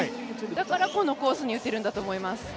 だからこのコースに打てるんだと思います。